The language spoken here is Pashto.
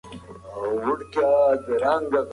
حیات الله خپل پخواني یادونه په زړه کې ساتي.